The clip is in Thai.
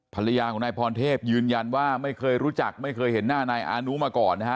ภรรยาของนายพรเทพยืนยันว่าไม่เคยรู้จักไม่เคยเห็นหน้านายอานุมาก่อนนะฮะ